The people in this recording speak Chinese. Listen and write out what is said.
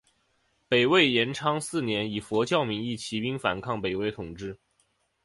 北魏延昌四年以佛教名义起兵反抗北魏统治。